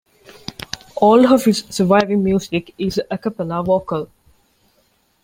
All of his surviving music is "a cappella" vocal.